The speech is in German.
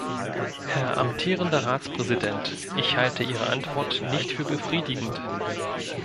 Herr amtierender Ratspräsident, ich halte Ihre Antwort nicht für befriedigend.